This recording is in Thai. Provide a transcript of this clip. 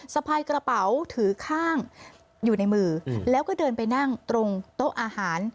สะพายกระเป๋าถือข้างอยู่ในมือแล้วก็เดินไปนั่งตรงโต๊ะอาหาร